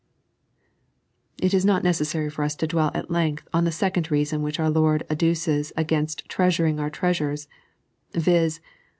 It is not neceesary for us to dwell at length on the second reason which our Lord adduces a^nst treasuring our treasures, viz.